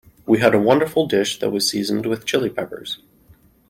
We had a wonderful dish that was seasoned with Chili Peppers.